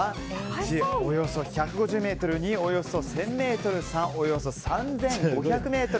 １、およそ１５０ｍ２、およそ１０００ｍ３、およそ３５００ｍ。